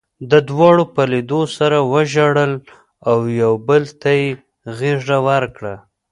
دواړو په لیدو سره وژړل او یو بل ته یې غېږه ورکړه